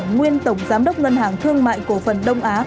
nguyên tổng giám đốc ngân hàng thương mại cổ phần đông á